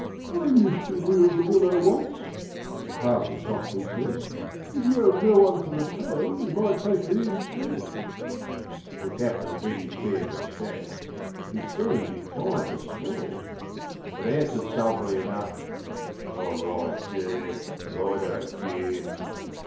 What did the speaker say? "I used to wield the willow once," the Parson softly said; "If you have no one for the tail, you might take me instead." The Captain bit his fair moustache he seemed inclined to swear; But answered sulkily enough, "All right, sir; I don't care.